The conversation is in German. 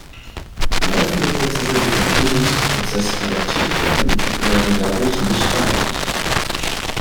Laufende Prozesse, die vom init-Prozess adoptiert werden, werden dadurch nicht beeinträchtigt.